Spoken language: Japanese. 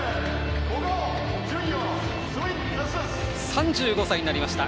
３５歳になりました。